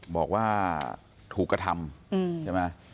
บอกว่าถูกกระทำ